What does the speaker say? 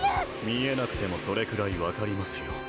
見えなくてもそれくらい分かりますよ